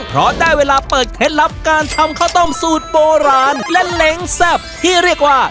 เพราะได้เวลาเปิดเคล็ดลับการทำข้าวต้มสูตรโบราณและเล้งแซ่บที่เรียกว่า